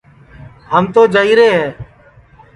ہم تو جائیرے ہے